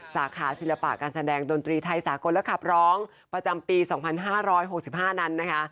สาขาศิลปะการแสดงดนตรีไทยสากลและขับร้องประจำปี๒๕๖๕นั้นนะคะ